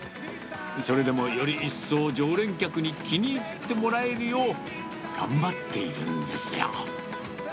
それでもより一層、常連客に気に入ってもらえるよう、頑張っているんですよ。